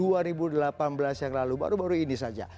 tahun dua ribu delapan belas yang lalu baru baru ini saja